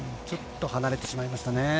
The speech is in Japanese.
ちょっと離れてしまいましたね。